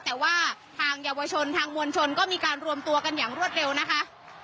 แต่ว่าทางเยาวชนทางมวลชนก็มีการรวมตัวกันอย่างรวดเร็วนะคะ